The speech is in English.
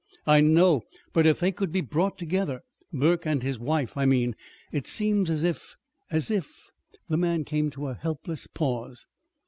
"I know; but if they could be brought together Burke and his wife, I mean it seems as if as if " The man came to a helpless pause.